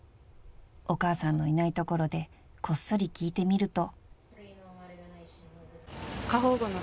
［お母さんのいないところでこっそり聞いてみると］